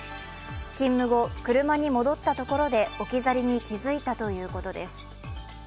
勤務後、車に戻ったところで置き去りに気付いたということです。